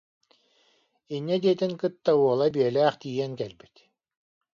» Инньэ диэтин кытта уола биэлээх тиийэн кэлбит